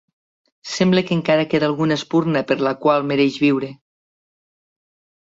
Sembla que encara queda alguna espurna per la qual mereix viure.